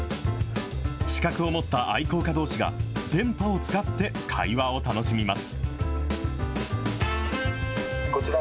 資格を持った愛好家どうしが、電波を使って会話を楽しみます。